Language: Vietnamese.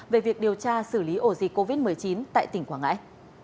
để điều tra xử lý ổ dịch covid một mươi chín tại tỉnh quảng ngãi